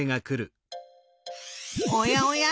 おやおや？